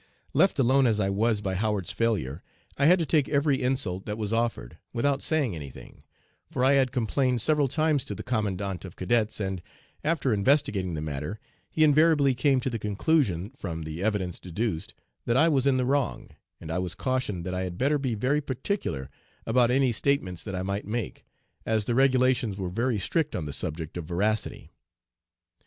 Left alone as I was, by Howard's failure, I had to take every insult that was offered, without saying any thing, for I had complained several times to the Commandant of Cadets, and, after 'investigating the matter,' he invariably came to the conclusion, 'from the evidence deduced,' that I was in the wrong, and I was cautioned that I had better be very particular about any statements that I might make, as the regulations were very strict on the subject of veracity.